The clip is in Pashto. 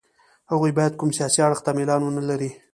هغوی باید کوم سیاسي اړخ ته میلان ونه لري.